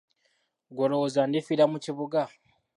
Ggw'olowooza ndifiira mu kibuga.